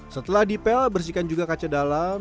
setelah dipel bersihkan juga kaca dalam